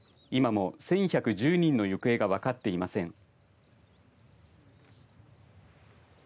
今も１１１０人の行方が分かっていません。